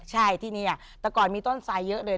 ใช่ที่นี่แต่ก่อนมีต้นทรายเยอะเลย